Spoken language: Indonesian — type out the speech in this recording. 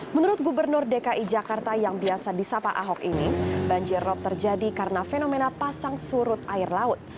menurut gubernur dki jakarta yang biasa disapa ahok ini banjir rop terjadi karena fenomena pasang surut air laut